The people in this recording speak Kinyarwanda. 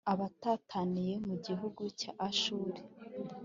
abatataniye mu gihugu cya Ashuru,